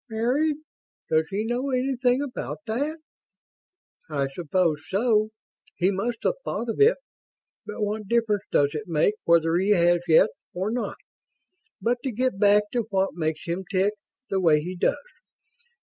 "Married! Does he know anything about that?" "I suppose so. He must have thought of it. But what difference does it make whether he has, yet, or not? But to get back to what makes him tick the way he does.